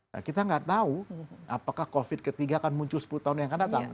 nah kita nggak tahu apakah covid ketiga akan muncul sepuluh tahun yang akan datang